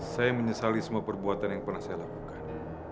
saya menyesali semua perbuatan yang pernah saya lakukan